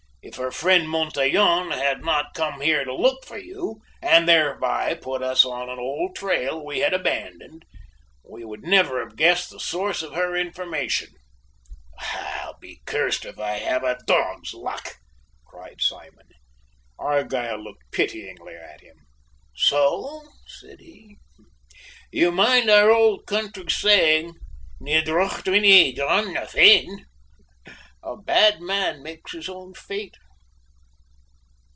If her friend Montaiglon had not come here to look for you, and thereby put us on an old trail we had abandoned, we would never have guessed the source of her information." "I'll be cursed if I have a dog's luck!" cried Simon. Argyll looked pityingly at him. "So!" said he. "You mind our old country saying, Ni droch dhuine dàn da féin a bad man makes his own fate?"